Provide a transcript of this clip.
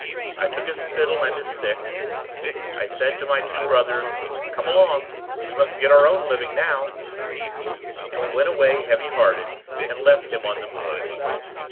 I took his fiddle and his stick; I said to my two brothers, 'Come along, we must get our own living now;' and we went away heavy hearted, and left him on the moor.